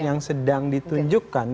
yang sedang ditunjukkan